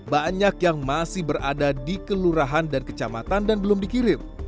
banyak yang masih berada di kelurahan dan kecamatan dan belum dikirim